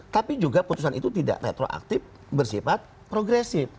tapi juga putusan itu tidak retroaktif bersifat progresif